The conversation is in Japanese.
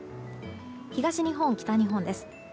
東日本、北日本です。